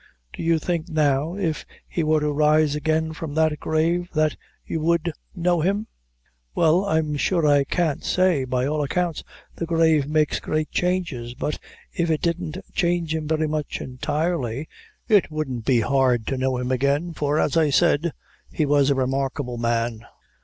"Do you think now if he were to rise again from that grave, that you would know him?" "Well I'm sure I can't say. By all accounts the grave makes great changes, but if it didn't change him very much entirely, it wouldn't be hard to know him again for, as I said, he was a remarkable man."